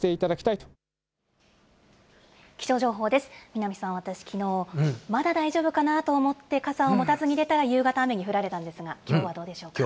南さん、私きのう、まだ大丈夫かなと思って傘を持たずに出たら、夕方雨に降られたんですが、きょうはどうでしょうか。